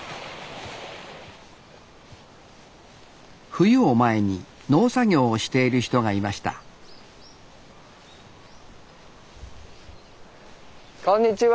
冬を前に農作業をしている人がいましたこんにちは！